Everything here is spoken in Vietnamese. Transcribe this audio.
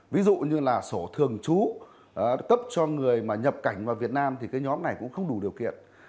ví dụ như là sổ thường trú cấp cho người mà nhập cảnh vào việt nam thì cái nhóm này cũng không đủ điều kiện